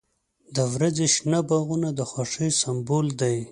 • د ورځې شنه باغونه د خوښۍ سمبول دی.